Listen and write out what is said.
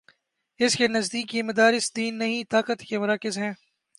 اس کے نزدیک یہ مدارس دین نہیں، طاقت کے مراکز ہیں۔